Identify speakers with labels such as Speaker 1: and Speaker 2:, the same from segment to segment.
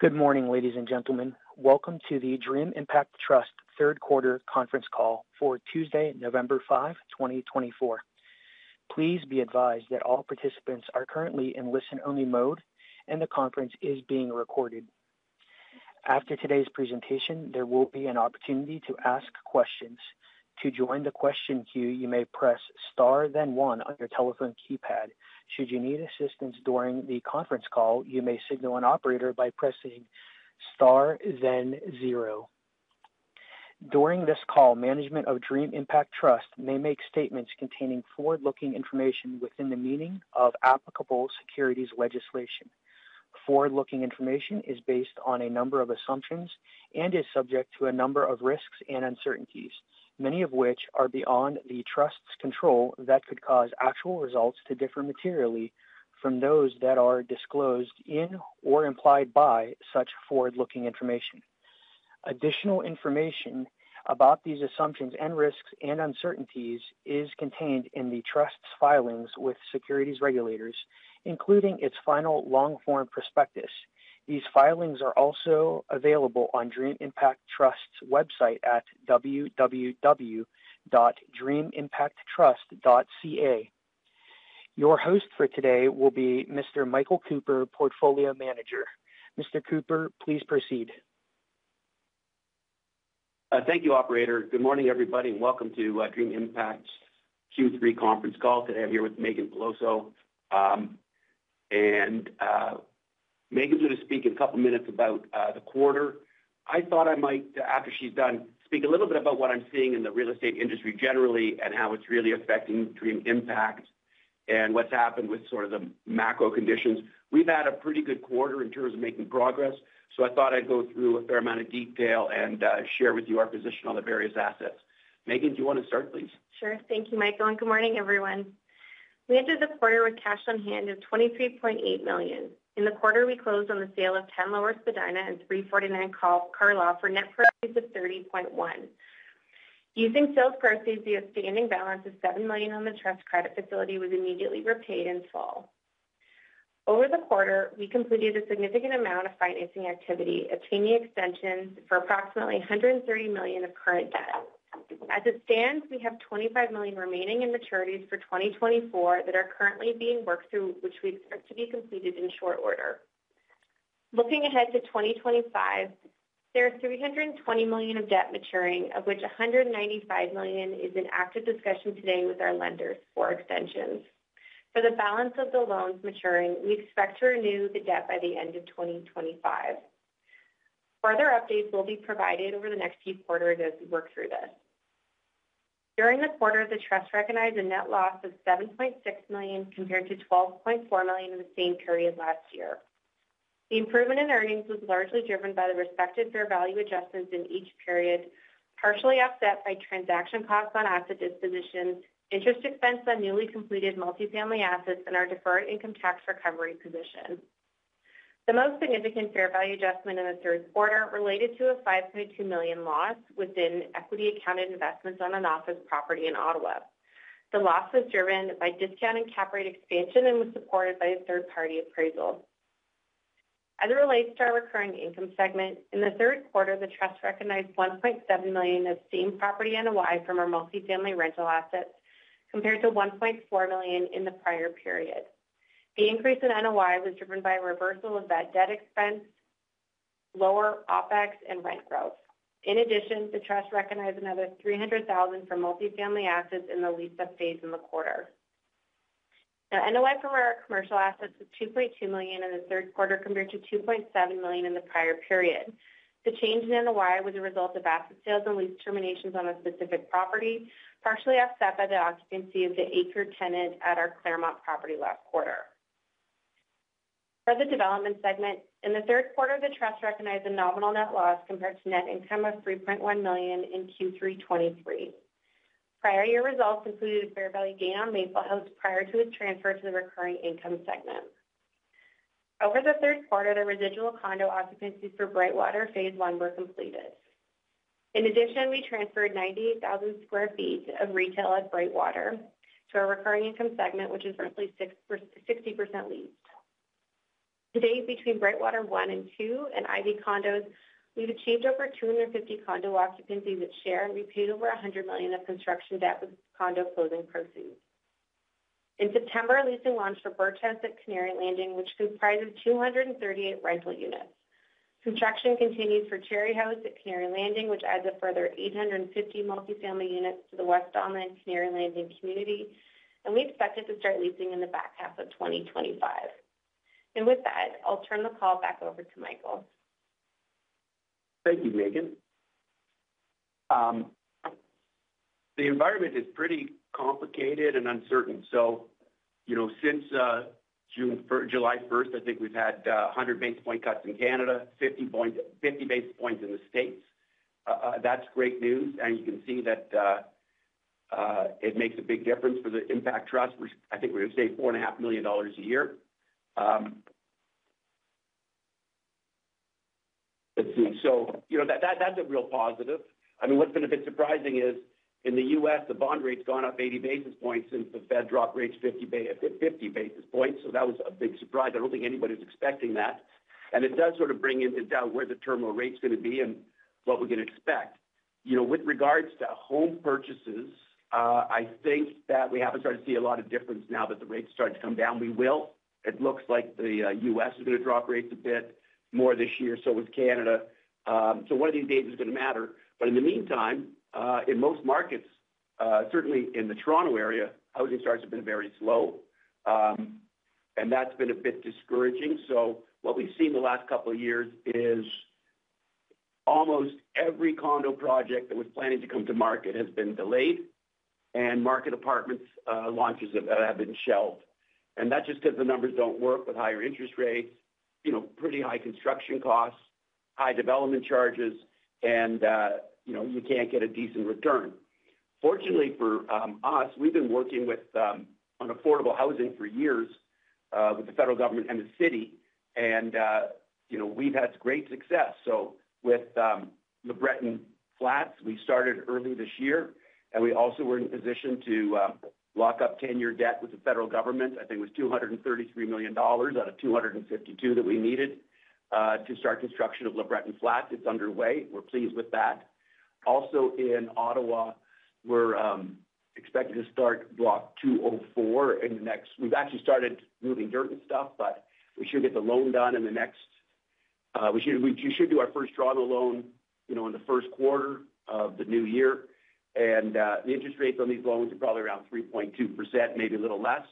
Speaker 1: Good morning, ladies and gentlemen. Welcome to the Dream Impact Trust third-quarter conference call for Tuesday, November 5, 2024. Please be advised that all participants are currently in listen-only mode and the conference is being recorded. After today's presentation, there will be an opportunity to ask questions. To join the question queue, you may press star then one on your telephone keypad. Should you need assistance during the conference call, you may signal an operator by pressing star then zero. During this call, management of Dream Impact Trust may make statements containing forward-looking information within the meaning of applicable securities legislation. Forward-looking information is based on a number of assumptions and is subject to a number of risks and uncertainties, many of which are beyond the trust's control that could cause actual results to differ materially from those that are disclosed in or implied by such forward-looking information. Additional information about these assumptions and risks and uncertainties is contained in the trust's filings with securities regulators, including its final long-form prospectus. These filings are also available on Dream Impact Trust's website at www.dreamimpacttrust.ca. Your host for today will be Mr. Michael Cooper, Portfolio Manager. Mr. Cooper, please proceed.
Speaker 2: Thank you, Operator. Good morning, everybody, and welcome to Dream Impact's Q3 conference call. Today I'm here with Meaghan Peloso. And Meaghan's going to speak in a couple of minutes about the quarter. I thought I might, after she's done, speak a little bit about what I'm seeing in the real estate industry generally and how it's really affecting Dream Impact and what's happened with sort of the macro conditions. We've had a pretty good quarter in terms of making progress, so I thought I'd go through a fair amount of detail and share with you our position on the various assets. Meaghan, do you want to start, please?
Speaker 3: Sure. Thank you, Michael, and good morning, everyone. We entered the quarter with cash on hand of 23.8 million. In the quarter, we closed on the sale of 10 Lower Spadina and 349 Carlaw Avenue for net proceeds of 30.1 million. Using sales proceeds, the standing balance of 7 million on the trust credit facility was immediately repaid in full. Over the quarter, we completed a significant amount of financing activity, obtaining extensions for approximately 130 million of current debt. As it stands, we have 25 million remaining in maturities for 2024 that are currently being worked through, which we expect to be completed in short order. Looking ahead to 2025, there are 320 million of debt maturing, of which 195 million is in active discussion today with our lenders for extensions. For the balance of the loans maturing, we expect to renew the debt by the end of 2025. Further updates will be provided over the next few quarters as we work through this. During the quarter, the trust recognized a net loss of 7.6 million compared to 12.4 million in the same period last year. The improvement in earnings was largely driven by the respective fair value adjustments in each period, partially offset by transaction costs on asset disposition, interest expense on newly completed multifamily assets, and our deferred income tax recovery position. The most significant fair value adjustment in the third quarter related to a 5.2 million loss within equity-accounted investments on an office property in Ottawa. The loss was driven by discount and cap rate expansion and was supported by a third-party appraisal. As it relates to our recurring income segment, in the third quarter, the trust recognized 1.7 million of same property NOI from our multifamily rental assets compared to 1.4 million in the prior period. The increase in NOI was driven by a reversal of that debt expense, lower OPEX, and rent growth. In addition, the trust recognized another 300,000 from multifamily assets in the lease updates in the quarter. Now, NOI from our commercial assets was 2.2 million in the third quarter compared to 2.7 million in the prior period. The change in NOI was a result of asset sales and lease terminations on a specific property, partially offset by the occupancy of the anchor tenant at our Claremont property last quarter. For the development segment, in the third quarter, the trust recognized a nominal net loss compared to net income of 3.1 million in Q3 2023. Prior year results included a fair value gain on Maple House prior to its transfer to the recurring income segment. Over the third quarter, the residual condo occupancies for Brightwater Phase I were completed. In addition, we transferred 98,000 sq ft of retail at Brightwater to our recurring income segment, which is roughly 60% leased. Today, between Brightwater I and II and Ivy Condos, we've achieved over 250 condo occupancies at share and repaid over 100 million of construction debt with condo closing proceeds. In September, a leasing launch for Birch House at Canary Landing, which comprises 238 rental units. Construction continues for Cherry House at Canary Landing, which adds a further 850 multifamily units to the West Don Lands Canary Landing community, and we expect it to start leasing in the back half of 2025, and with that, I'll turn the call back over to Michael.
Speaker 2: Thank you, Meaghan. The environment is pretty complicated and uncertain. You know, since July 1st, I think we've had 100 basis point cuts in Canada, 50 basis points in the States. That's great news. You can see that it makes a big difference for the impact trust. I think we're going to save CAD 4.5 million a year. Let's see. You know, that's a real positive. I mean, what's going to be surprising is in the U.S., the bond rate's gone up 80 basis points since the Fed dropped rates 50 basis points. That was a big surprise. I don't think anybody's expecting that. It does sort of bring into doubt where the terminal rate's going to be and what we're going to expect. You know, with regards to home purchases, I think that we haven't started to see a lot of difference now that the rates started to come down. We will. It looks like the U.S. is going to drop rates a bit more this year, so is Canada. So one of these dates is going to matter. But in the meantime, in most markets, certainly in the Toronto area, housing starts have been very slow. And that's been a bit discouraging. So what we've seen the last couple of years is almost every condo project that was planning to come to market has been delayed, and market apartment launches have been shelved. And that's just because the numbers don't work with higher interest rates, you know, pretty high construction costs, high development charges, and you can't get a decent return. Fortunately for us, we've been working with affordable housing for years with the federal government and the city, and, you know, we've had great success, so with LeBreton Flats, we started early this year, and we also were in position to lock up 10-year debt with the federal government. I think it was 233 million dollars out of 252 that we needed to start construction of LeBreton Flats. It's underway. We're pleased with that. Also in Ottawa, we're expected to start Block 204. We've actually started moving dirt and stuff, but we should get the loan done. We should do our first drawing of loan, you know, in the first quarter of the new year, and the interest rates on these loans are probably around 3.2%, maybe a little less,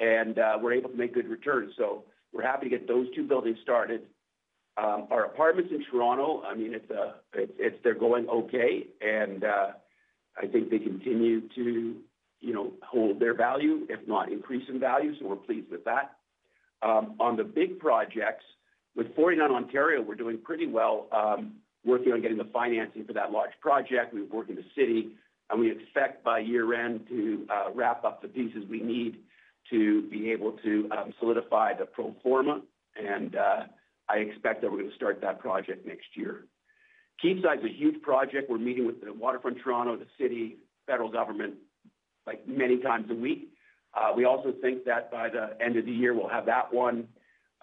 Speaker 2: and we're able to make good returns. We're happy to get those two buildings started. Our apartments in Toronto, I mean, they're going okay. And I think they continue to, you know, hold their value, if not increase in value. We're pleased with that. On the big projects, with 49 Ontario, we're doing pretty well working on getting the financing for that large project. We've worked with the city, and we expect by year-end to wrap up the pieces we need to be able to solidify the pro forma. I expect that we're going to start that project next year. Quayside's a huge project. We're meeting with Waterfront Toronto, the city, federal government, like many times a week. We also think that by the end of the year, we'll have that one.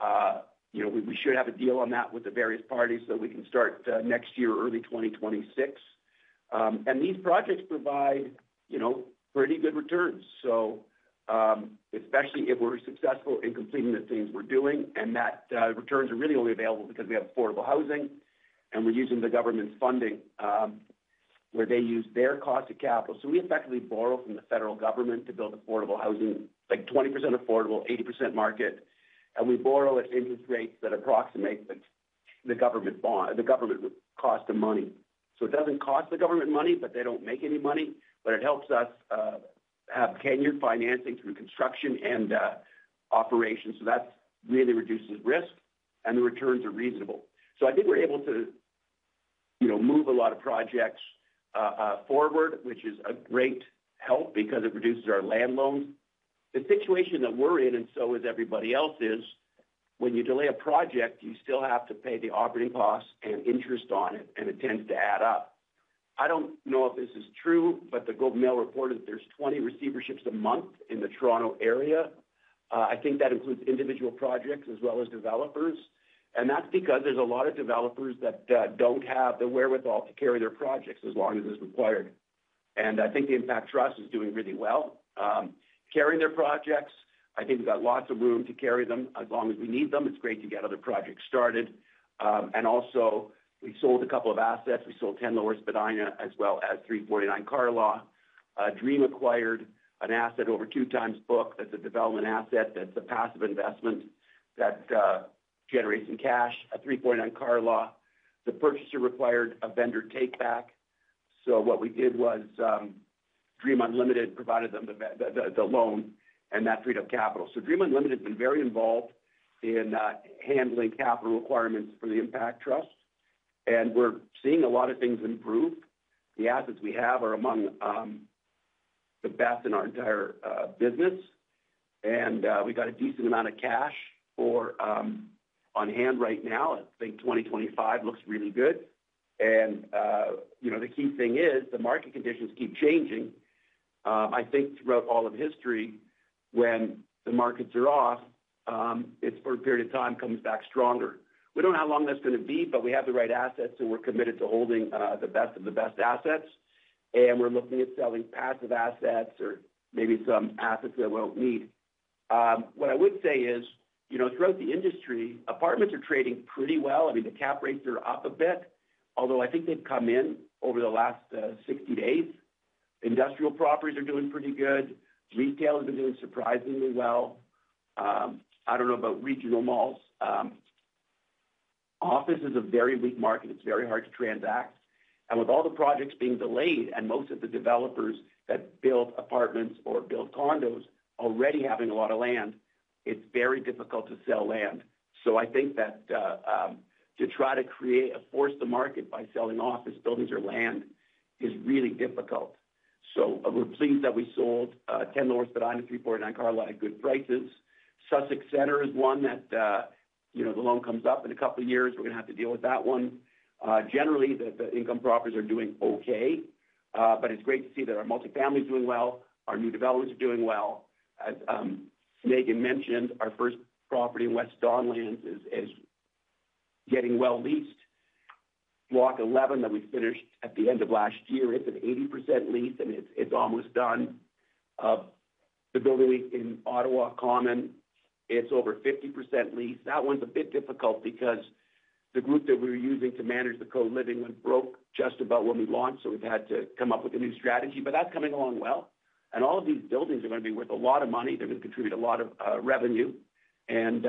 Speaker 2: You know, we should have a deal on that with the various parties so we can start next year, early 2026. These projects provide, you know, pretty good returns, so especially if we're successful in completing the things we're doing. Those returns are really only available because we have affordable housing, and we're using the government's funding where they use their cost of capital. We effectively borrow from the federal government to build affordable housing, like 20% affordable, 80% market. We borrow at interest rates that approximate the government cost of money. It doesn't cost the government money, but they don't make any money. It helps us have tenured financing through construction and operations. That really reduces risk, and the returns are reasonable. I think we're able to, you know, move a lot of projects forward, which is a great help because it reduces our land loans. The situation that we're in, and so is everybody else, is when you delay a project, you still have to pay the operating costs and interest on it, and it tends to add up. I don't know if this is true, but The Globe and Mail reported that there's 20 receiverships a month in the Toronto area. I think that includes individual projects as well as developers, and that's because there's a lot of developers that don't have the wherewithal to carry their projects as long as it's required, and I think the Impact Trust is doing really well carrying their projects. I think we've got lots of room to carry them as long as we need them. It's great to get other projects started, and also, we sold a couple of assets. We sold 10 Lower Spadina as well as 349 Carlaw. Dream acquired an asset over two times book. That's a development asset. That's a passive investment that generates some cash at 349 Carlaw. The purchaser required a vendor take-back. So what we did was Dream Unlimited provided them the loan and that freed up capital. So Dream Unlimited has been very involved in handling capital requirements for the Impact Trust. And we're seeing a lot of things improve. The assets we have are among the best in our entire business. And we've got a decent amount of cash on hand right now. I think 2025 looks really good. And, you know, the key thing is the market conditions keep changing. I think throughout all of history, when the markets are off, it's for a period of time comes back stronger. We don't know how long that's going to be, but we have the right assets, and we're committed to holding the best of the best assets. And we're looking at selling passive assets or maybe some assets that we won't need. What I would say is, you know, throughout the industry, apartments are trading pretty well. I mean, the cap rates are up a bit, although I think they've come in over the last 60 days. Industrial properties are doing pretty good. Retail has been doing surprisingly well. I don't know about regional malls. Office is a very weak market. It's very hard to transact. And with all the projects being delayed and most of the developers that build apartments or build condos already having a lot of land, it's very difficult to sell land. So I think that to try to force the market by selling office buildings or land is really difficult. So we're pleased that we sold 10 Lower Spadina 349 Carlaw at good prices. Sussex Centre is one that, you know, the loan comes up in a couple of years. We're going to have to deal with that one. Generally, the income properties are doing okay. But it's great to see that our multifamily is doing well. Our new developments are doing well. As Meaghan mentioned, our first property in West Don Lands is getting well leased. Block 11 that we finished at the end of last year, it's an 80% lease, and it's almost done. The building in Ottawa, Common, it's over 50% lease. That one's a bit difficult because the group that we were using to manage the co-living went broke just about when we launched. So we've had to come up with a new strategy. But that's coming along well. And all of these buildings are going to be worth a lot of money. They're going to contribute a lot of revenue. And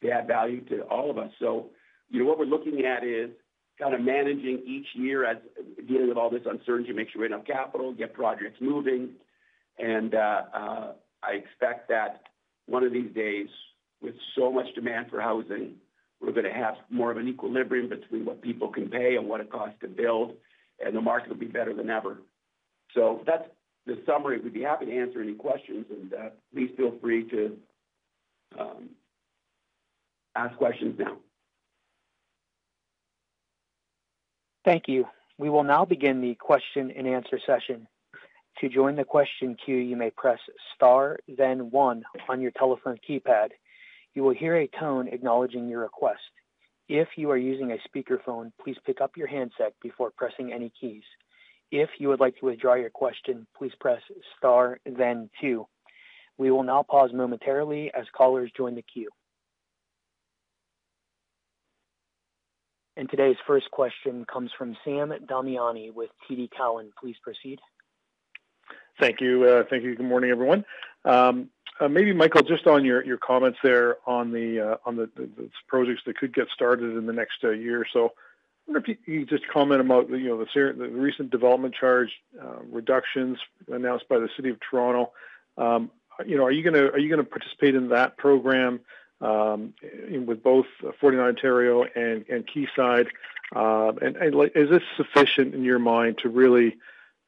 Speaker 2: they add value to all of us. So, you know, what we're looking at is kind of managing each year at the end of all this uncertainty to make sure we have enough capital, get projects moving. And I expect that one of these days, with so much demand for housing, we're going to have more of an equilibrium between what people can pay and what it costs to build, and the market will be better than ever. So that's the summary. We'd be happy to answer any questions, and please feel free to ask questions now.
Speaker 1: Thank you. We will now begin the question-and-answer session. To join the question queue, you may press star, then one on your telephone keypad. You will hear a tone acknowledging your request. If you are using a speakerphone, please pick up your handset before pressing any keys. If you would like to withdraw your question, please press star, then two. We will now pause momentarily as callers join the queue, and today's first question comes from Sam Damiani with TD Cowen. Please proceed.
Speaker 4: Thank you. Thank you. Good morning, everyone. Maybe, Michael, just on your comments there on the projects that could get started in the next year. So I wonder if you could just comment about the recent development charge reductions announced by the City of Toronto. You know, are you going to participate in that program with both 49 Ontario and Quayside? And is this sufficient in your mind to really,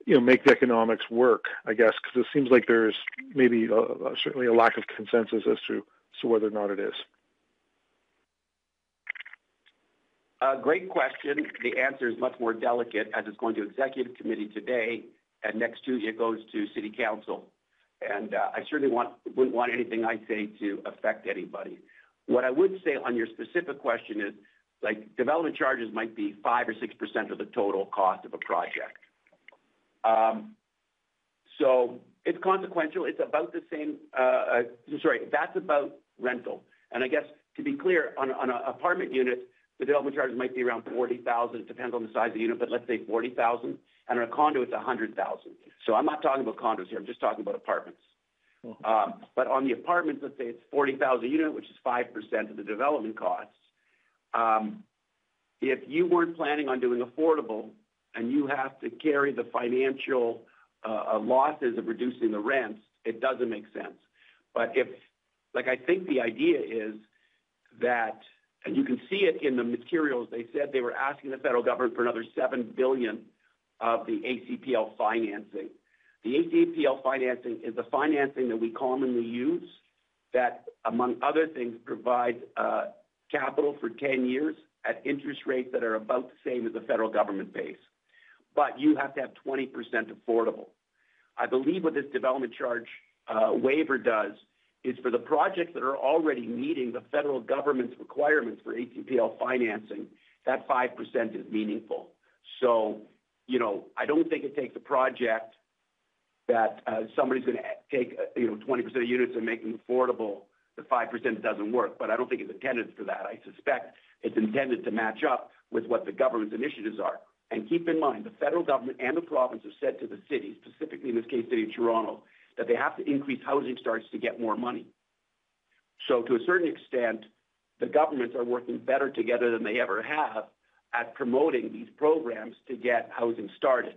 Speaker 4: you know, make the economics work, I guess, because it seems like there's maybe certainly a lack of consensus as to whether or not it is?
Speaker 2: Great question. The answer is much more delicate as it's going to executive committee today, and next Tuesday it goes to city council, and I certainly wouldn't want anything I say to affect anybody. What I would say on your specific question is, like, development charges might be 5% or 6% of the total cost of a project, so it's consequential. It's about the same. I'm sorry, that's about rental, and I guess, to be clear, on an apartment unit, the development charges might be around 40,000. It depends on the size of the unit, but let's say 40,000, and on a condo, it's 100,000, so I'm not talking about condos here. I'm just talking about apartments, but on the apartments, let's say it's 40,000 a unit, which is 5% of the development cost. If you weren't planning on doing affordable and you have to carry the financial losses of reducing the rents, it doesn't make sense. But if, like, I think the idea is that—and you can see it in the materials. They said they were asking the federal government for another 7 billion of the ACLP financing. The ACLP financing is the financing that we commonly use that, among other things, provides capital for 10 years at interest rates that are about the same as the federal government pays. But you have to have 20% affordable. I believe what this development charge waiver does is for the projects that are already meeting the federal government's requirements for ACLP financing, that 5% is meaningful. So, you know, I don't think it takes a project that somebody's going to take, you know, 20% of units and make them affordable. The 5% doesn't work. But I don't think it's intended for that. I suspect it's intended to match up with what the government's initiatives are. And keep in mind, the federal government and the province have said to the city, specifically in this case, City of Toronto, that they have to increase housing starts to get more money. So to a certain extent, the governments are working better together than they ever have at promoting these programs to get housing started.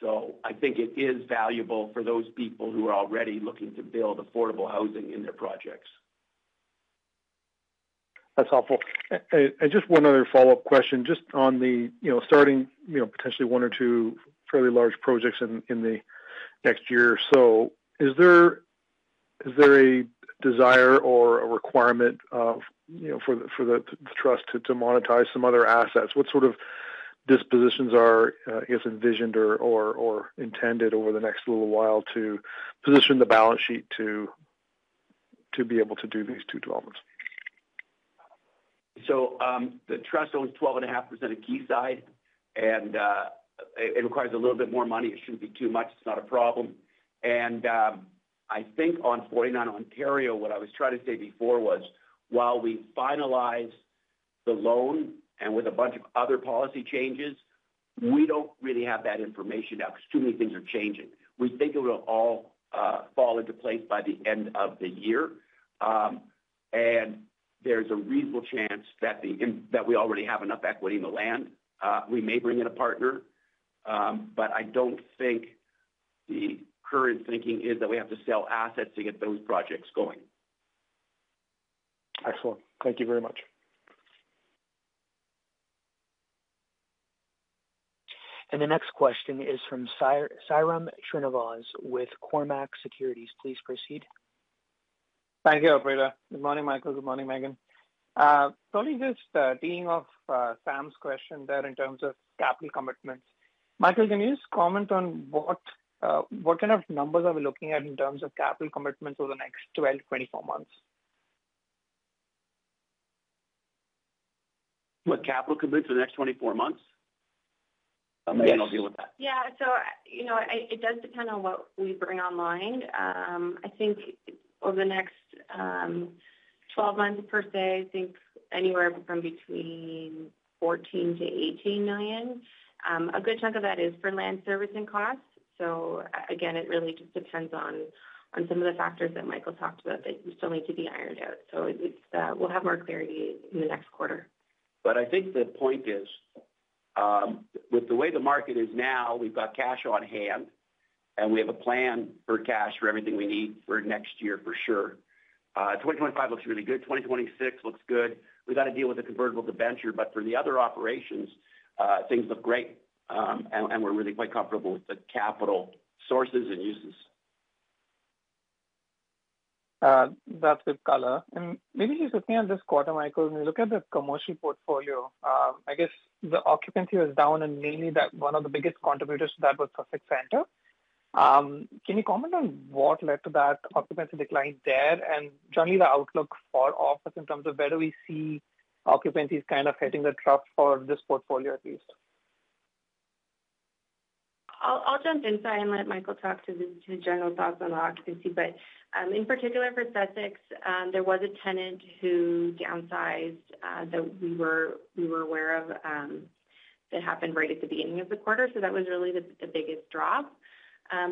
Speaker 2: So I think it is valuable for those people who are already looking to build affordable housing in their projects.
Speaker 4: That's helpful. And just one other follow-up question, just on the, you know, starting, you know, potentially one or two fairly large projects in the next year. So is there a desire or a requirement of, you know, for the trust to monetize some other assets? What sort of dispositions are, I guess, envisioned or intended over the next little while to position the balance sheet to be able to do these two developments?
Speaker 2: So the trust owns 12.5% of Quayside, and it requires a little bit more money. It shouldn't be too much. It's not a problem. And I think on 49 Ontario, what I was trying to say before was, while we finalize the loan and with a bunch of other policy changes, we don't really have that information now because too many things are changing. We think it will all fall into place by the end of the year. And there's a reasonable chance that we already have enough equity in the land. We may bring in a partner. But I don't think the current thinking is that we have to sell assets to get those projects going.
Speaker 4: Excellent. Thank you very much.
Speaker 1: The next question is from Sriram Srinivasan with Cormark Securities. Please proceed.
Speaker 5: Thank you, Operator. Good morning, Michael. Good morning, Meaghan. Probably just the dealing of Sam's question there in terms of capital commitments. Michael, can you just comment on what kind of numbers are we looking at in terms of capital commitments over the next 12 to 24 months?
Speaker 2: What capital commitments over the next 24 months? Meaghan will deal with that.
Speaker 3: Yeah. So, you know, it does depend on what we bring online. I think over the next 12 months per se, I think anywhere from between 14 million-18 million. A good chunk of that is for land servicing costs. So again, it really just depends on some of the factors that Michael talked about that still need to be ironed out. So we'll have more clarity in the next quarter.
Speaker 2: But I think the point is, with the way the market is now, we've got cash on hand, and we have a plan for cash for everything we need for next year for sure. 2025 looks really good. 2026 looks good. We've got to deal with the convertible debenture. But for the other operations, things look great. And we're really quite comfortable with the capital sources and uses.
Speaker 5: That's good color. And maybe just looking at this quarter, Michael, when you look at the commercial portfolio, I guess the occupancy was down, and mainly that one of the biggest contributors to that was Sussex Centre. Can you comment on what led to that occupancy decline there and generally the outlook for office in terms of whether we see occupancies kind of hitting the trough for this portfolio at least?
Speaker 3: I'll jump in. So I let Michael talk to the general thoughts on the occupancy. But in particular for Sussex, there was a tenant who downsized that we were aware of that happened right at the beginning of the quarter. So that was really the biggest drop.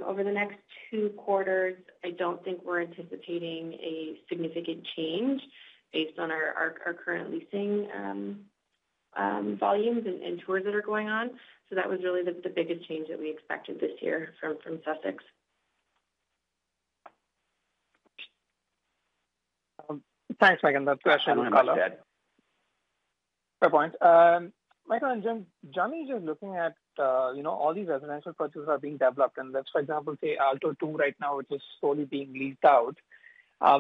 Speaker 3: Over the next two quarters, I don't think we're anticipating a significant change based on our current leasing volumes and tours that are going on. So that was really the biggest change that we expected this year from Sussex.
Speaker 5: Thanks, Meaghan. That's good question. Fair point. Fair point. Michael and team, I am just looking at, you know, all these residential projects that are being developed. And let's, for example, say Aalto II right now, which is slowly being leased out.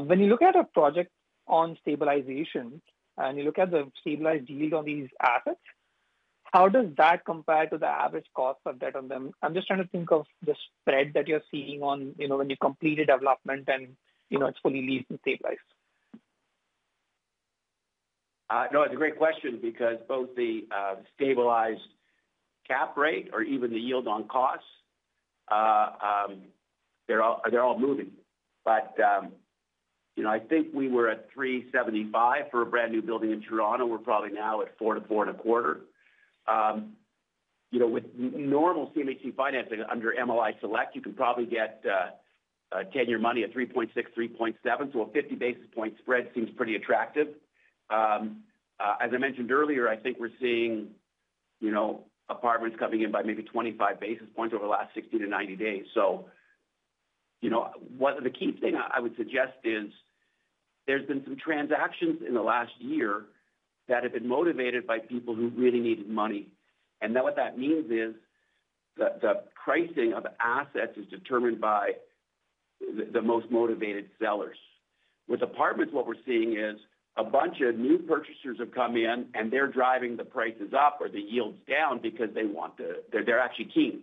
Speaker 5: When you look at a project on stabilization and you look at the stabilized yield on these assets, how does that compare to the average cost of debt on them? I'm just trying to think of the spread that you're seeing on, you know, when you complete a development and, you know, it's fully leased and stabilized.
Speaker 2: No, it's a great question because both the stabilized cap rate or even the yield on costs, they're all moving. But, you know, I think we were at 3.75 for a brand new building in Toronto. We're probably now at 4 to 4 and a quarter. You know, with normal CMHC financing under MLI Select, you can probably get 10-year money at 3.6, 3.7. So a 50 basis point spread seems pretty attractive. As I mentioned earlier, I think we're seeing, you know, apartments coming in by maybe 25 basis points over the last 60 to 90 days. So, you know, the key thing I would suggest is there's been some transactions in the last year that have been motivated by people who really needed money. And what that means is the pricing of assets is determined by the most motivated sellers. With apartments, what we're seeing is a bunch of new purchasers have come in, and they're driving the prices up or the yields down because they want to--they're actually keen.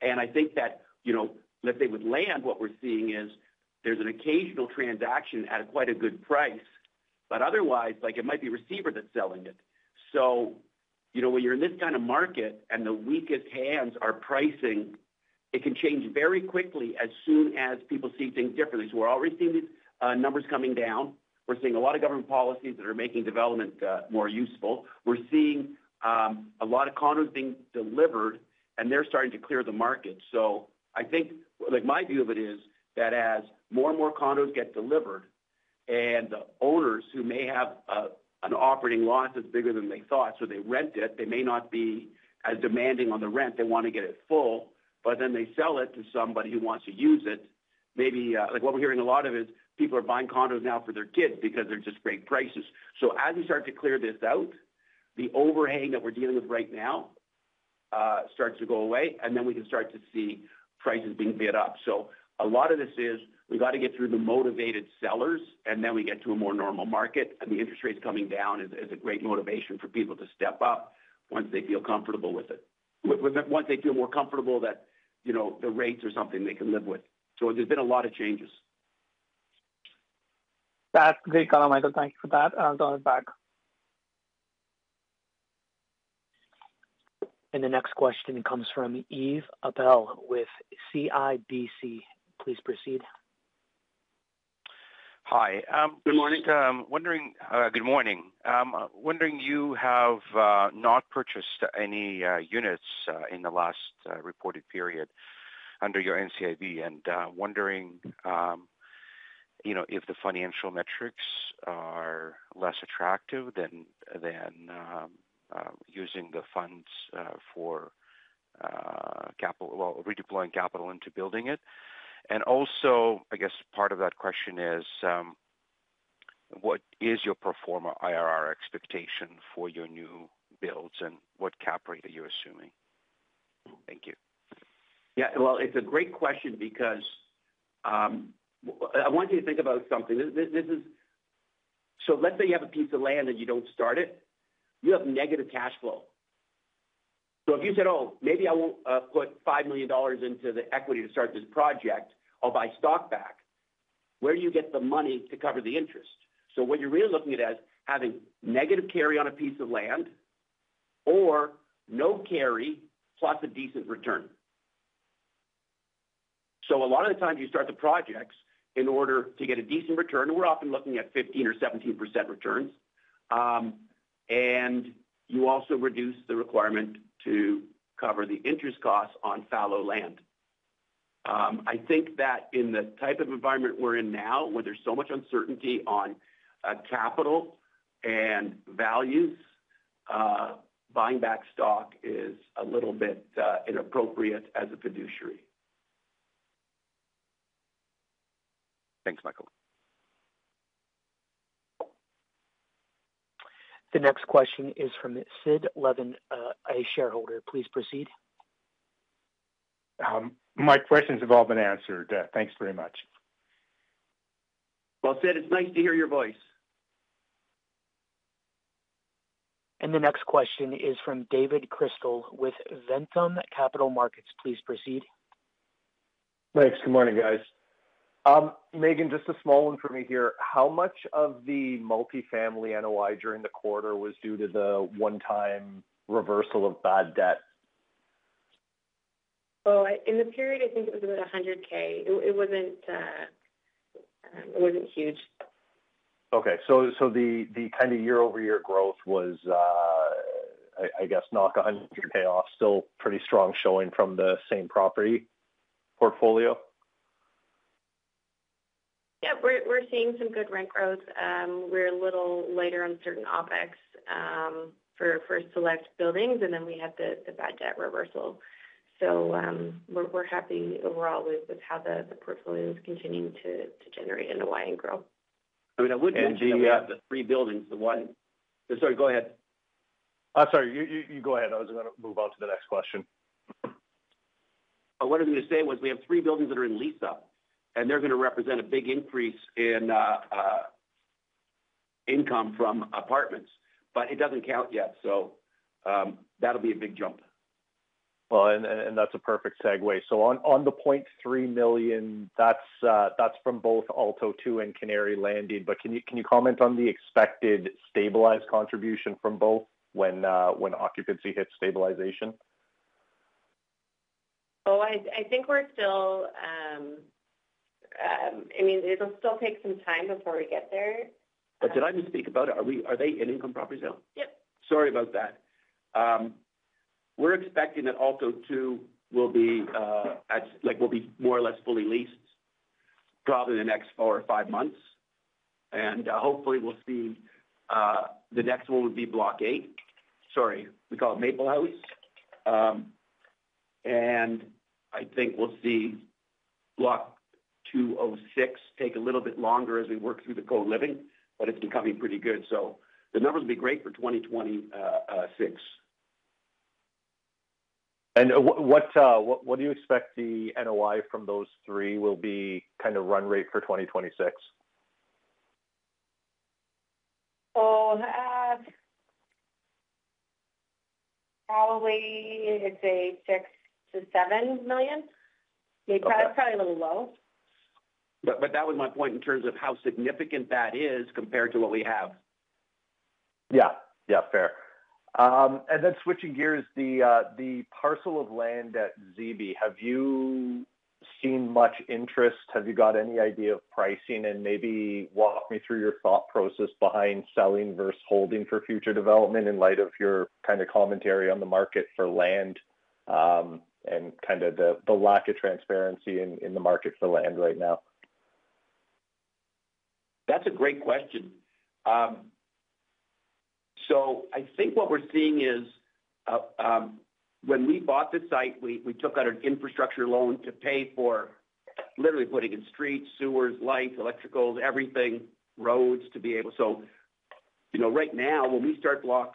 Speaker 2: And I think that, you know, let's say with land, what we're seeing is there's an occasional transaction at quite a good price. But otherwise, like, it might be a receiver that's selling it. So, you know, when you're in this kind of market and the weakest hands are pricing, it can change very quickly as soon as people see things differently. So we're already seeing these numbers coming down. We're seeing a lot of government policies that are making development more useful. We're seeing a lot of condos being delivered, and they're starting to clear the market. So I think, like, my view of it is that as more and more condos get delivered and the owners who may have an operating loss that's bigger than they thought, so they rent it, they may not be as demanding on the rent. They want to get it full. But then they sell it to somebody who wants to use it. Maybe, like, what we're hearing a lot of is people are buying condos now for their kids because they're just great prices. So as we start to clear this out, the overhang that we're dealing with right now starts to go away, and then we can start to see prices being bid up. So a lot of this is we've got to get through the motivated sellers, and then we get to a more normal market. And the interest rates coming down is a great motivation for people to step up once they feel comfortable with it, once they feel more comfortable that, you know, the rates are something they can live with. So there's been a lot of changes.
Speaker 5: That's great color, Michael. Thank you for that. I'll turn it back.
Speaker 1: The next question comes from Yves Apel with CIBC. Please proceed.
Speaker 6: Hi. Good morning. Wondering you have not purchased any units in the last reported period under your NCIB, and wondering, you know, if the financial metrics are less attractive than using the funds for capital, well, redeploying capital into building it. Also, I guess part of that question is, what is your preferred IRR expectation for your new builds, and what cap rate are you assuming? Thank you.
Speaker 2: Yeah. Well, it's a great question because I want you to think about something. This is, so let's say you have a piece of land and you don't start it. You have negative cash flow. So if you said, "Oh, maybe I won't put 5 million dollars into the equity to start this project. I'll buy stock back," where do you get the money to cover the interest? So what you're really looking at is having negative carry on a piece of land or no carry plus a decent return. So a lot of the times you start the projects in order to get a decent return, and we're often looking at 15% or 17% returns, and you also reduce the requirement to cover the interest costs on fallow land. I think that in the type of environment we're in now, where there's so much uncertainty on capital and values, buying back stock is a little bit inappropriate as a fiduciary.
Speaker 6: Thanks, Michael.
Speaker 1: The next question is from Sid Levin, a shareholder. Please proceed. My questions have all been answered. Thanks very much.
Speaker 2: Sid, it's nice to hear your voice.
Speaker 1: The next question is from David Chrystal with Ventum Capital Markets. Please proceed.
Speaker 7: Thanks. Good morning, guys. Meaghan, just a small one for me here. How much of the multifamily NOI during the quarter was due to the one-time reversal of bad debt?
Speaker 3: In the period, I think it was about 100,000. It wasn't huge.
Speaker 7: Okay. So the kind of year-over-year growth was, I guess, knock CAD 100,000 off, still pretty strong showing from the same property portfolio?
Speaker 3: Yeah. We're seeing some good rent growth. We're a little later on certain OPEX for select buildings, and then we had the bad debt reversal. So we're happy overall with how the portfolio is continuing to generate NOI and grow.
Speaker 2: I mean, I wouldn't.
Speaker 7: And yes, the three buildings, the one. Sorry, go ahead. I'm sorry. You go ahead. I was going to move on to the next question.
Speaker 2: What I was going to say was we have three buildings that are in lease up, and they're going to represent a big increase in income from apartments. But it doesn't count yet. So that'll be a big jump.
Speaker 7: Well, and that's a perfect segue. So on the 0.3 million, that's from both Aalto II and Canary Landing. But can you comment on the expected stabilized contribution from both when occupancy hits stabilization?
Speaker 3: Oh, I think we're still, I mean, it'll still take some time before we get there.
Speaker 2: But did I misspeak about it? Are they in income property now?
Speaker 3: Yep.
Speaker 2: Sorry about that. We're expecting that Aalto II will be at, like, will be more or less fully leased probably in the next four or five months. And hopefully, we'll see the next one would be Block 8. Sorry, we call it Maple House. And I think we'll see Block 206 take a little bit longer as we work through the co-living, but it's becoming pretty good. So the numbers will be great for 2026.
Speaker 7: And what do you expect the NOI from those three will be kind of run rate for 2026?
Speaker 3: Oh, probably it's 6 million-7 million. It's probably a little low.
Speaker 2: But that was my point in terms of how significant that is compared to what we have.
Speaker 7: Yeah. Yeah. Fair, and then switching gears, the parcel of land at Zibi, have you seen much interest? Have you got any idea of pricing? And maybe walk me through your thought process behind selling versus holding for future development in light of your kind of commentary on the market for land and kind of the lack of transparency in the market for land right now.
Speaker 2: That's a great question. So I think what we're seeing is when we bought the site, we took out an infrastructure loan to pay for literally putting in streets, sewers, lights, electricals, everything, roads to be able, so, you know, right now, when we start Block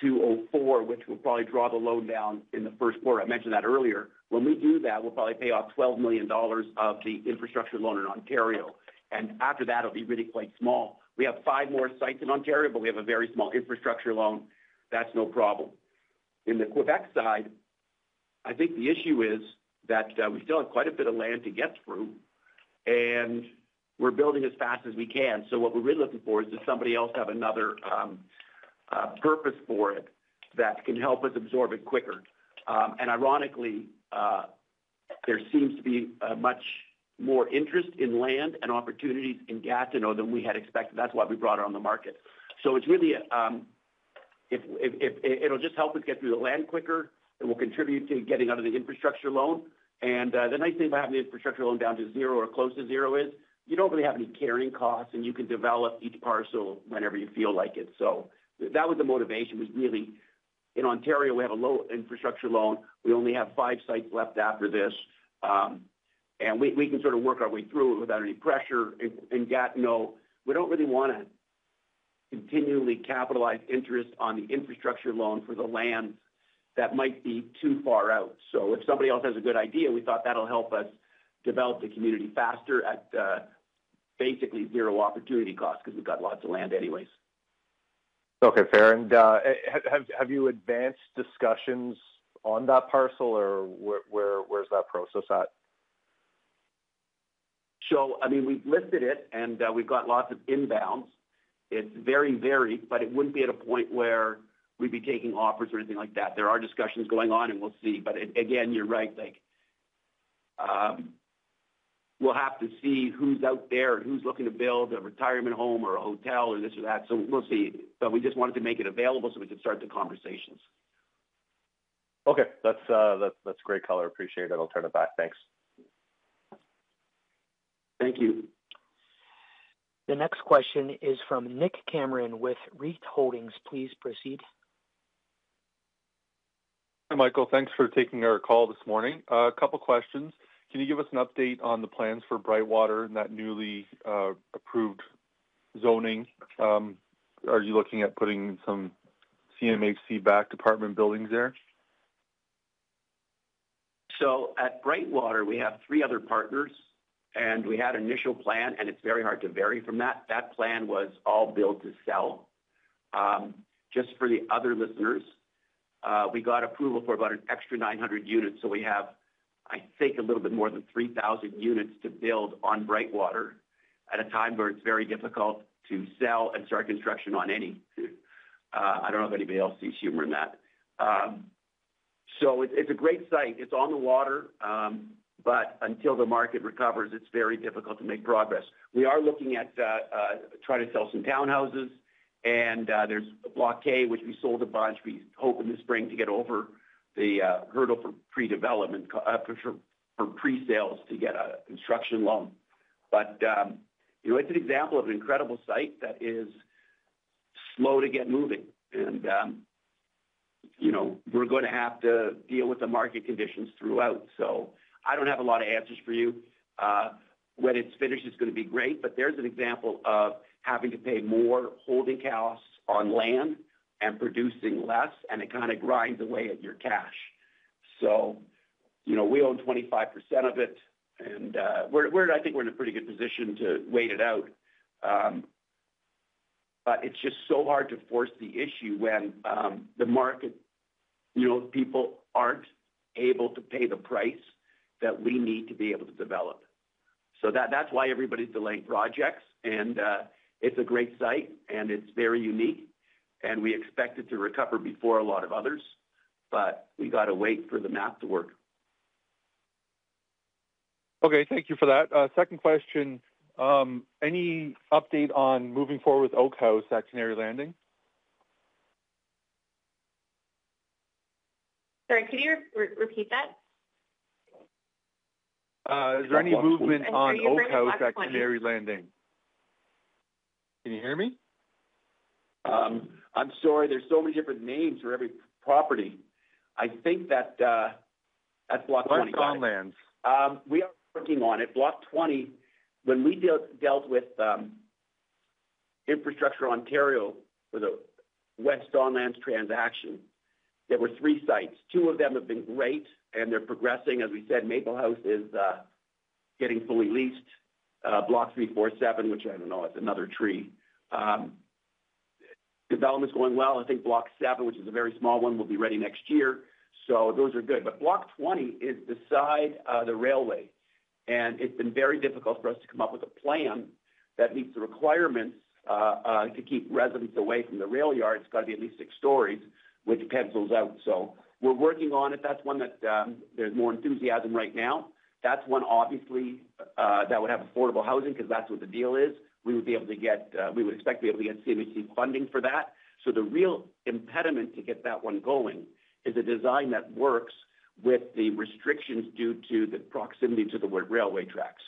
Speaker 2: 204, which will probably draw the loan down in the first quarter, I mentioned that earlier. When we do that, we'll probably pay off 12 million dollars of the infrastructure loan in Ontario. And after that, it'll be really quite small. We have five more sites in Ontario, but we have a very small infrastructure loan. That's no problem. In the Quebec side, I think the issue is that we still have quite a bit of land to get through, and we're building as fast as we can. So what we're really looking for is, does somebody else have another purpose for it that can help us absorb it quicker? And ironically, there seems to be much more interest in land and opportunities in Gatineau than we had expected. That's why we brought it on the market. So it's really, it'll just help us get through the land quicker. It will contribute to getting out of the infrastructure loan. And the nice thing about having the infrastructure loan down to zero or close to zero is you don't really have any carrying costs, and you can develop each parcel whenever you feel like it. So that was the motivation was really in Ontario. We have a low infrastructure loan. We only have five sites left after this. And we can sort of work our way through it without any pressure. In Gatineau, we don't really want to continually capitalize interest on the infrastructure loan for the land that might be too far out. So if somebody else has a good idea, we thought that'll help us develop the community faster at basically zero opportunity cost because we've got lots of land anyways.
Speaker 7: Okay. Fair. And have you advanced discussions on that parcel, or where's that process at?
Speaker 2: So, I mean, we've listed it, and we've got lots of inbounds. It's very varied, but it wouldn't be at a point where we'd be taking offers or anything like that. There are discussions going on, and we'll see. But again, you're right, like, we'll have to see who's out there and who's looking to build a retirement home or a hotel or this or that. So we'll see. But we just wanted to make it available so we could start the conversations.
Speaker 7: Okay. That's great color. Appreciate it. I'll turn it back. Thanks.
Speaker 2: Thank you.
Speaker 1: The next question is from Nick Cameron with Reed Holdings. Please proceed.
Speaker 8: Hi, Michael. Thanks for taking our call this morning. A couple of questions. Can you give us an update on the plans for Brightwater and that newly approved zoning? Are you looking at putting some CMHC backed apartment buildings there?
Speaker 2: At Brightwater, we have three other partners, and we had an initial plan, and it's very hard to vary from that. That plan was all built to sell. Just for the other listeners, we got approval for about an extra 900 units. So we have, I think, a little bit more than 3,000 units to build on Brightwater at a time where it's very difficult to sell and start construction on any. I don't know if anybody else sees humor in that. So it's a great site. It's on the water. But until the market recovers, it's very hard to make progress. We are looking at trying to sell some townhouses, and there's Block K, which we sold a bunch. We hope in the spring to get over the hurdle for pre-development for pre-sales to get a construction loan. But, you know, it's an example of an incredible site that is slow to get moving. And, you know, we're going to have to deal with the market conditions throughout. So I don't have a lot of answers for you. When it's finished, it's going to be great. But there's an example of having to pay more holding costs on land and producing less, and it kind of grinds away at your cash. So, you know, we own 25% of it, and I think we're in a pretty good position to wait it out. But it's just so hard to force the issue when the market, you know, people aren't able to pay the price that we need to be able to develop. So that's why everybody's delaying projects. And it's a great site, and it's very unique, and we expect it to recover before a lot of others. But we got to wait for the math to work.
Speaker 8: Okay. Thank you for that. Second question. Any update on moving forward with Oak House at Canary Landing?
Speaker 3: Sorry, can you repeat that?
Speaker 8: Is there any movement on Oak House at Canary Landing? Can you hear me?
Speaker 2: I'm sorry. There's so many different names for every property. I think that that's Block 20.
Speaker 8: West Don Lands?
Speaker 2: We are working on it. Block 20, when we dealt with Infrastructure Ontario for the West Don Lands transaction, there were three sites. Two of them have been great, and they're progressing. As we said, Maple House is getting fully leased. Block 3, 4, 7, which I don't know, it's another tree. Development's going well. I think Block 7, which is a very small one, will be ready next year. So those are good. But Block 20 is beside the railway, and it's been very difficult for us to come up with a plan that meets the requirements to keep residents away from the rail yard. It's got to be at least six stories, which pencils out. So we're working on it. That's one that there's more enthusiasm right now. That's one obviously that would have affordable housing because that's what the deal is. We would expect to be able to get CMHC funding for that. So the real impediment to get that one going is a design that works with the restrictions due to the proximity to the railway tracks.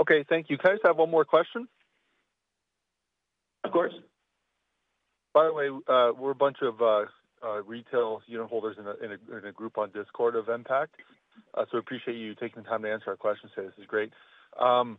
Speaker 8: Okay. Thank you. Can I just have one more question?
Speaker 2: Of course.
Speaker 8: By the way, we're a bunch of retail unit holders in a group on discord of MPACT. So appreciate you taking the time to answer our questions. This is great. Quayside,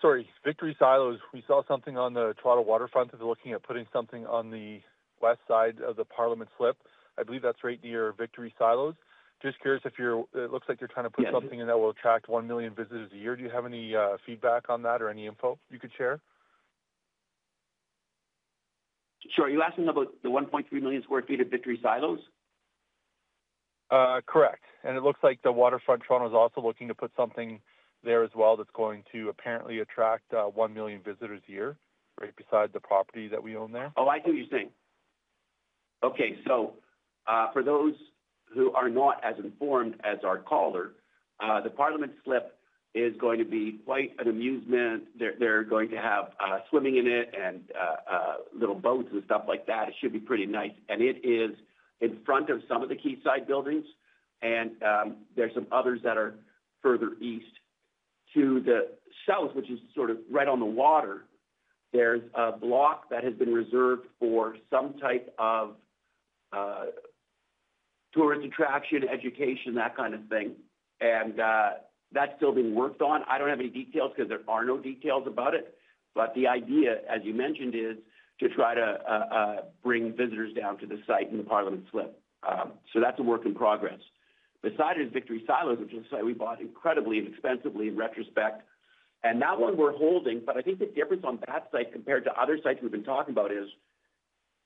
Speaker 8: sorry, Victory Silos. We saw something on the Toronto Waterfront. They're looking at putting something on the west side of the Parliament Slip. I believe that's right near Victory Silos. Just curious if you're it looks like you're trying to put something in that will attract one million visitors a year. Do you have any feedback on that or any info you could share?
Speaker 2: Sure. You're asking about the 1.3 million sq ft of Victory Silos?
Speaker 8: Correct, and it looks like the Waterfront Toronto is also looking to put something there as well that's going to apparently attract one million visitors a year, right beside the property that we own there.
Speaker 2: Oh, I see what you're saying. Okay. So for those who are not as informed as our caller, the Parliament Slip is going to be quite an amusement. They're going to have swimming in it and little boats and stuff like that. It should be pretty nice, and it is in front of some of the Quayside buildings, and there's some others that are further east. To the south, which is sort of right on the water, there's a block that has been reserved for some type of tourist attraction, education, that kind of thing. And that's still being worked on. I don't have any details because there are no details about it. But the idea, as you mentioned, is to try to bring visitors down to the site in the Parliament Slip. So that's a work in progress. Beside it is Victory Silos, which is a site we bought incredibly inexpensively in retrospect. That one we're holding, but I think the difference on that site compared to other sites we've been talking about is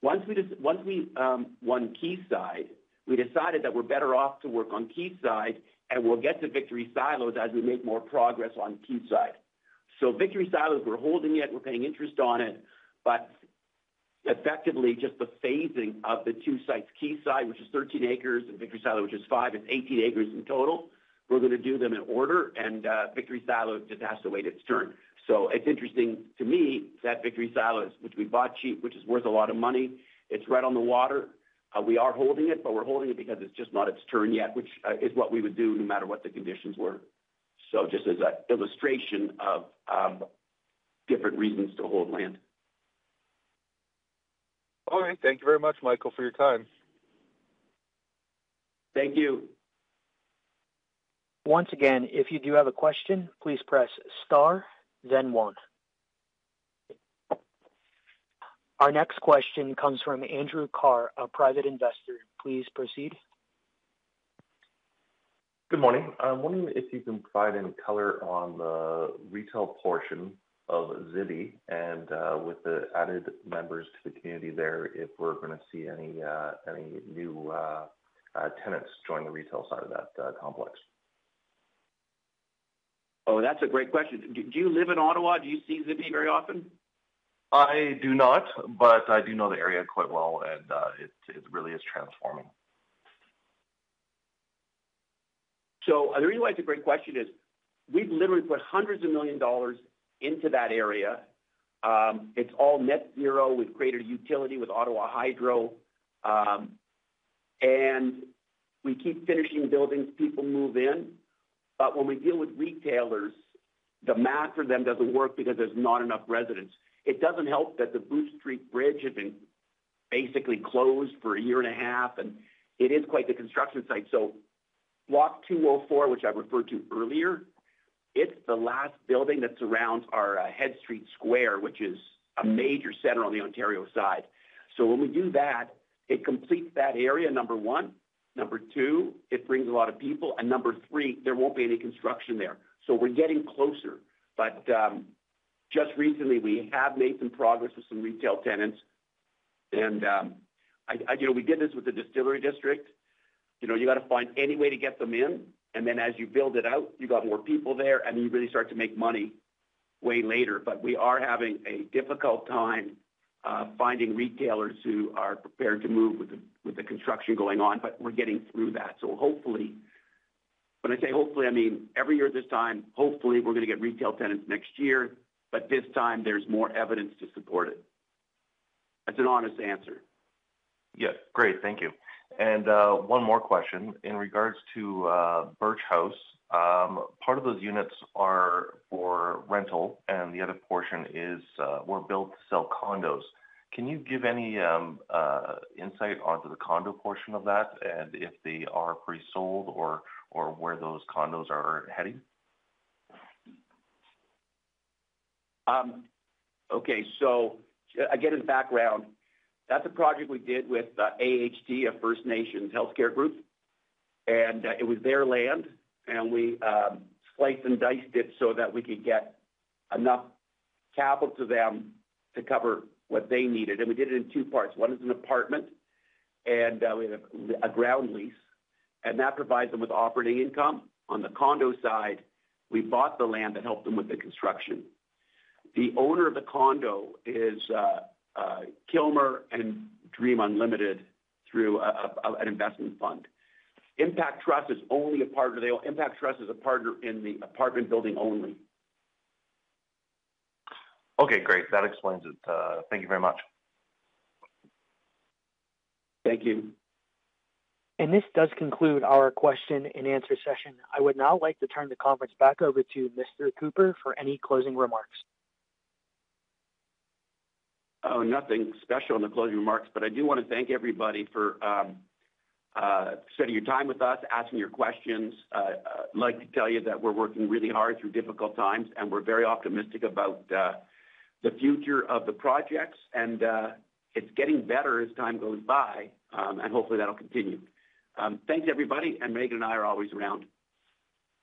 Speaker 2: once we won Quayside, we decided that we're better off to work on Quayside, and we'll get to Victory Silos as we make more progress on Quayside. Victory Silos, we're holding it. We're paying interest on it. Effectively, just the phasing of the two sites, Quayside, which is 13 acres, and Victory Silos, which is 5 acres, is 18 acres in total. We're going to do them in order, and Victory Silos just has to wait its turn. It's interesting to me that Victory Silos, which we bought cheap, which is worth a lot of money, it's right on the water. We are holding it, but we're holding it because it's just not its turn yet, which is what we would do no matter what the conditions were. So just as an illustration of different reasons to hold land.
Speaker 8: All right. Thank you very much, Michael, for your time.
Speaker 2: Thank you.
Speaker 1: Once again, if you do have a question, please press star, then one. Our next question comes from Andrew Carr, a private investor. Please proceed. Good morning. I'm wondering if you can provide any color on the retail portion of Zibi and with the added members to the community there if we're going to see any new tenants join the retail side of that complex?
Speaker 2: Oh, that's a great question. Do you live in Ottawa? Do you see Zibi very often? I do not, but I do know the area quite well, and it really is transforming. So the reason why it's a great question is we've literally put hundreds of millions of dollars into that area. It's all net zero with greater utility with Ottawa Hydro. And we keep finishing buildings. People move in. But when we deal with retailers, the math for them doesn't work because there's not enough residents. It doesn't help that the Booth Street Bridge has been basically closed for a year and a half, and it is quite the construction site. So Block 204, which I referred to earlier, it's the last building that surrounds our Head Street Square, which is a major center on the Ontario side. So when we do that, it completes that area, number one. Number two, it brings a lot of people. And number three, there won't be any construction there. So we're getting closer. But just recently, we have made some progress with some retail tenants. And, you know, we did this with the Distillery District. You know, you got to find any way to get them in. And then as you build it out, you got more people there, and you really start to make money way later. But we are having a difficult time finding retailers who are prepared to move with the construction going on, but we're getting through that. So hopefully, when I say hopefully, I mean every year at this time, hopefully we're going to get retail tenants next year, but this time there's more evidence to support it. That's an honest answer. Yes. Great. Thank you. And one more question in regards to Birch House. Part of those units are for rental, and the other portion is we're built to sell condos. Can you give any insight onto the condo portion of that and if they are presold or where those condos are heading? Okay, so again, as background, that's a project we did with AHT, a First Nations healthcare group, and it was their land, and we sliced and diced it so that we could get enough capital to them to cover what they needed, and we did it in two parts. One is an apartment, and we have a ground lease, and that provides them with operating income. On the condo side, we bought the land that helped them with the construction. The owner of the condo is Kilmer and Dream Unlimited through an investment fund. Impact Trust is only a partner. Impact Trust is a partner in the apartment building only. Okay. Great. That explains it. Thank you very much. Thank you.
Speaker 1: This does conclude our question-and-answer session. I would now like to turn the conference back over to Mr. Cooper for any closing remarks.
Speaker 2: Nothing special in the closing remarks, but I do want to thank everybody for spending your time with us, asking your questions. I'd like to tell you that we're working really hard through difficult times, and we're very optimistic about the future of the projects, and it's getting better as time goes by, and hopefully that'll continue. Thanks, everybody, and Meaghan and I are always around.